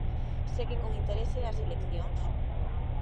Segue con interese as eleccións?